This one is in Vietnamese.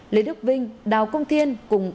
lê đức ving đào công thiên